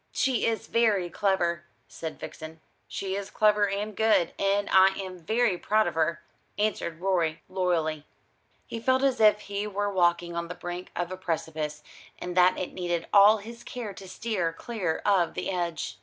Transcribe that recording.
"She is very clever," said Vixen. "She is clever and good, and I am very proud of her," answered Rorie loyally. He felt as if he were walking on the brink of a precipice, and that it needed all his care to steer clear of the edge.